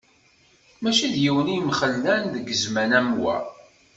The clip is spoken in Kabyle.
Mačči yiwen i imxellen deg zzman am wa.